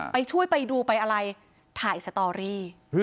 ไปช่วยไปดูไปอะไรถ่ายสตอรี่